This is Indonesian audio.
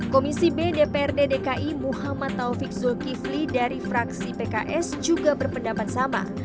komisi b dprd dki muhammad taufik zulkifli dari fraksi pks juga berpendapat sama